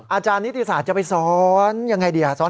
อาจารย์นิติศาสตร์จะไปสอนยังไงดี